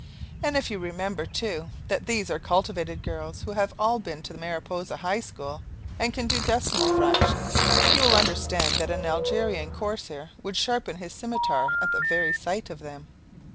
And if you remember, too, that these are cultivated girls who have all been to the Mariposa high school and can do decimal fractions, you will understand that an Algerian corsair would sharpen his scimitar at the very sight of them.